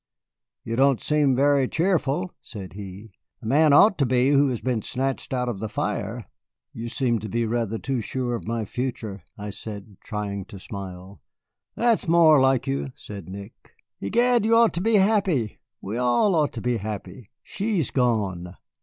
"You don't seem very cheerful," said he; "a man ought to be who has been snatched out of the fire." "You seem to be rather too sure of my future," I said, trying to smile. "That's more like you," said Nick. "Egad, you ought to be happy we all ought to be happy she's gone."